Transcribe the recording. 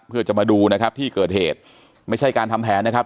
เพื่อจะมาดูนะครับที่เกิดเหตุไม่ใช่การทำแผนนะครับ